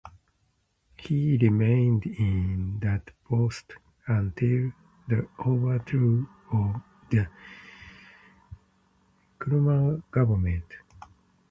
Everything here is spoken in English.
He remained in that post until the overthrow of the Nkrumah government.